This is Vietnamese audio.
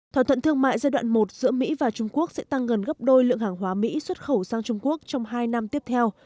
thỏa thuận thương mại giai đoạn một giữa mỹ và trung quốc sẽ tăng gần gấp đôi lượng hàng hóa mỹ xuất khẩu sang trung quốc trong hai năm tiếp theo